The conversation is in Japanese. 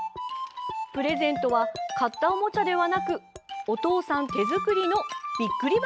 プレゼントは買ったおもちゃではなくお父さん手作りのびっくり箱。